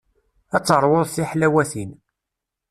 Ad teṛwuḍ tiḥlawatin.